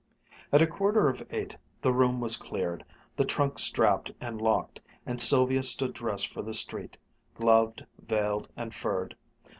At a quarter of eight the room was cleared, the trunk strapped and locked, and Sylvia stood dressed for the street, gloved, veiled, and furred.